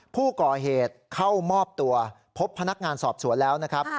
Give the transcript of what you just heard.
ผู้ก่อเหตุเข้ามอบตัวพบพนักงานสอบสวนแล้วนะครับ